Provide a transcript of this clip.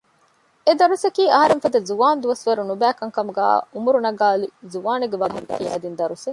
އެ ދަރުސަކީ އަހަރެންފަދަ ޒުވާންދުވަސް ވަރު ނުބައި ކަންކަމުގައި އުމުރު ނަގައިލި ޒުވާނެއްގެ ވާހަކަ ކިޔައިދިން ދަރުސެއް